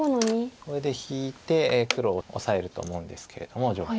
これで引いて黒オサえると思うんですけれども上辺。